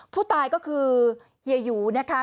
ผู้ตายก็คือเฮียหยูนะคะ